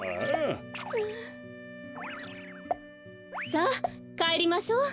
さあかえりましょう。